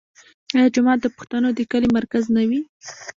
آیا جومات د پښتنو د کلي مرکز نه وي؟